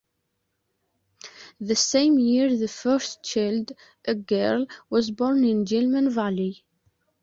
The same year the first child, a girl, was born in Gilman Valley.